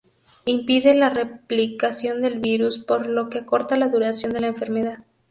Impide la replicación del virus, por lo que acorta la duración de la enfermedad.